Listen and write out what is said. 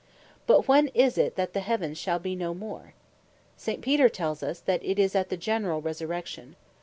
But when is it, that the heavens shall be no more? St. Peter tells us, that it is at the generall Resurrection.